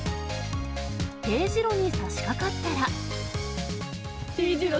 丁字路にさしかかったら。